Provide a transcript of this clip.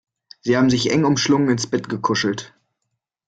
Sie haben sich eng umschlungen ins Bett gekuschelt.